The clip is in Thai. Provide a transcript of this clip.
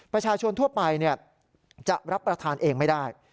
ประชาชนทั่วไปจะรับประทานเองไม่ได้